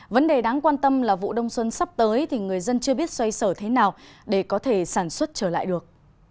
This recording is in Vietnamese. vấn đề đáng quan tâm là vụ đông xuân sắp tới thì người dân chưa biết xoay sở thế nào để có thể sản xuất trở lại được